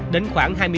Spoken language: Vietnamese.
đến khoảng hai mươi một